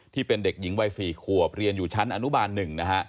ที่เป็นเด็กหญิงวัย๔ขวบเรียนอยู่ชั้นอนุบาล๑นะฮะ